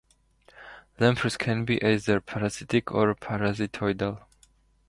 Lampreys can be either parasitic or parasitoidal.